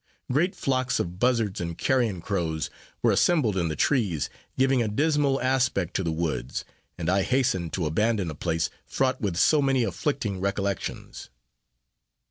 Great flocks of buzzards and carrion crows were assembled in the trees, giving a dismal aspect to the woods; and I hastened to abandon a place fraught with so many afflicting recollections.